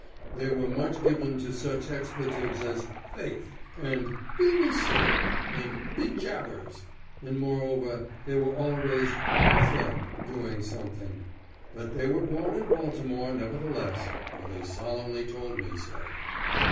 They were much given to such expletives as "faith" and "be me sowl," and "be jabers," and moreover they were always "afther" doing something; but they were born in Baltimore, nevertheless, for they solemnly told me so.